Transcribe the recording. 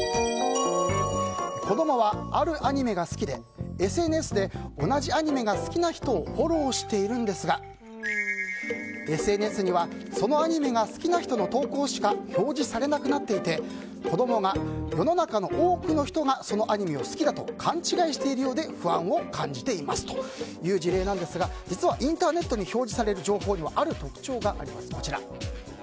子供は、あるアニメが好きでＳＮＳで同じアニメが好きな人をフォローしているんですがＳＮＳにはそのアニメが好きな人の投稿しか表示されなくなっていて子供が世の中の多くの人がそのアニメを好きだと勘違いしているようで不安を感じていますという事例ですが実はインターネットに表示される情報にはある特徴があります。